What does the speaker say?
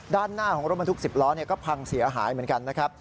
ด้านหน้าของรถบรรทุก๑๐ล้อก็พังเสียหายเหมือนกันนะครับ